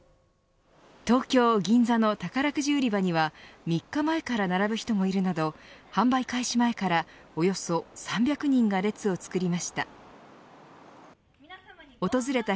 東京、銀座の宝くじ売り場には３日前から並ぶ人もいるなど販売開始前からおよそ３００人が列を作りました。